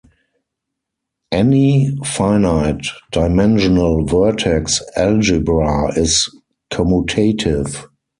Any finite-dimensional vertex algebra is commutative.